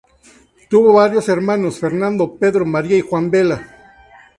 Tuvo varios hermanos, Fernando, Pedro, María y Juan Vela.